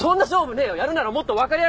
やるならもっと分かりやすくやれよ。